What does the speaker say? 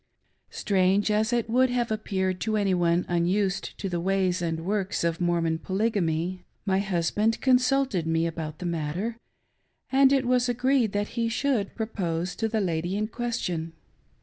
Strange as it would have appeared to any one unused to the ivays and works of IVf ormon Polygamy, my husband consulted me about the m^ttec ; and it was agreed that he should pro pose to the lady in question.